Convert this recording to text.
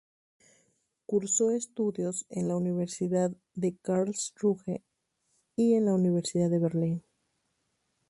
Cursó estudios en la Universidad de Karlsruhe y en la Universidad de Berlín.